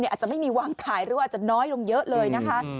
อาจจะไม่มีวางขายหรือว่าอาจจะน้อยลงเยอะเลยนะคะ